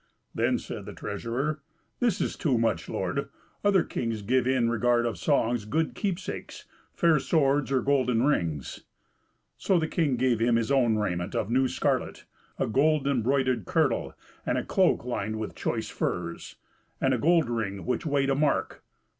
Then said the treasurer, "This is too much, lord; other kings give in regard of songs good keepsakes, fair swords, or golden rings." So the king gave him his own raiment of new scarlet, a gold embroidered kirtle, and a cloak lined with choice furs, and a gold ring which weighed a mark.